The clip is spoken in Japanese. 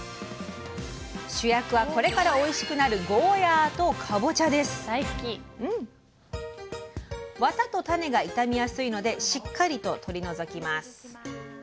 主役はこれからおいしくなるワタと種が傷みやすいのでしっかりと取り除きます。